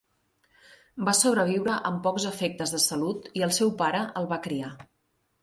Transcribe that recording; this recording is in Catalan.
Va sobreviure amb pocs efectes de salut i el seu pare el va criar.